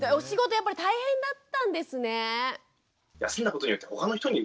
やっぱり大変だったんですね。